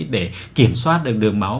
để kiểm soát được đường máu